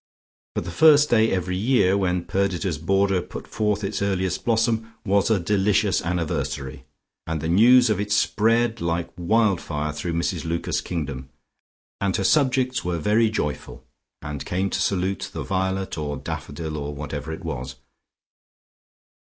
But the first day every year when Perdita's border put forth its earliest blossom was a delicious anniversary, and the news of it spread like wild fire through Mrs Lucas's kingdom, and her subjects were very joyful, and came to salute the violet or daffodil, or whatever it was.